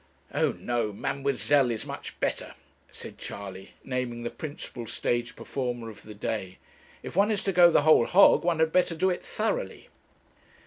'O no Mademoiselle is much better,' said Charley, naming the principal stage performer of the day. 'If one is to go the whole hog, one had better do it thoroughly.'